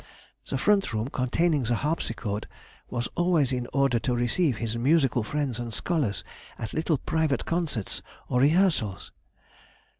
The front room containing the harpsichord was always in order to receive his musical friends and scholars at little private concerts or rehearsals....